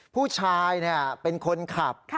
ผู้ชายเป็นคนขับ